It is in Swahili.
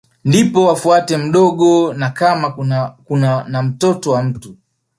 Ndipo afuate mdogo na kama kuna na watoto wa mtu